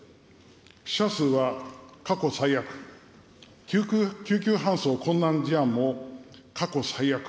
死者数は過去最悪、救急搬送困難事案も過去最悪。